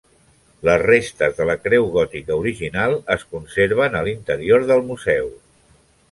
Les restes de la creu gòtica original es conserven a l'interior del Museu.